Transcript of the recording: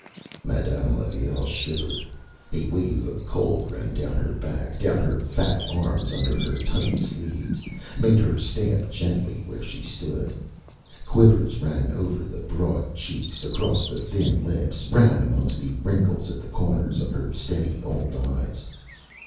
Â Madame Levaille shivered. A wave of cold ran down her back, down her fat arms under her tight sleeves, made her stamp gently where she stood. Quivers ran over the broad cheeks, across the thin lips, ran amongst the wrinkles at the corners of her steady old eyes.